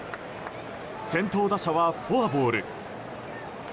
先頭打者はフォアボール。